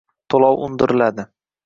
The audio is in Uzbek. Toʼlov undiriladi